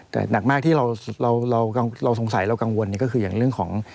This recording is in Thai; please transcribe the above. แต่หนักมากที่เราสงสัยเรากังวลก็คืออย่างเรื่องของ